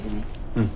うん。